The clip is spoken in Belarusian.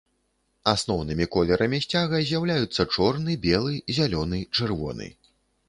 Асноўнымі колерамі сцяга з'яўляюцца чорны, белы, зялёны, чырвоны.